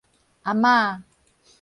阿媽